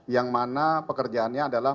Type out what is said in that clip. yang mana pekerjaannya adalah